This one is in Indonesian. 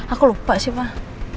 aku lupa sih pak